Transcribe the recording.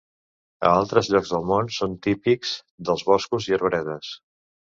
A altres llocs del món són típics dels boscos i arbredes.